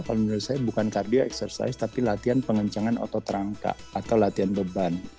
kalau menurut saya bukan kardio exercise tapi latihan pengencangan otot rangka atau latihan beban